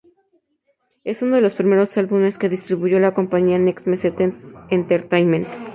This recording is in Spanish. Es uno de los primeros álbumes que distribuyó la compañía Next Meseta Entertainment.